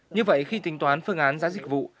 như vậy khi tính toán phương án giá dịch vụ